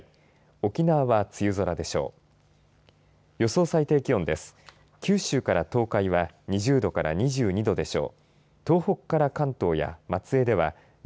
沖縄は梅雨空でしょう。